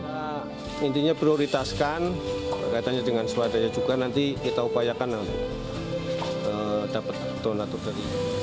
kita intinya prioritaskan berkaitannya dengan swadanya juga nanti kita upayakan nanti dapat donat untuk beli